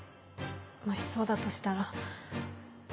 もしそうだとしたら。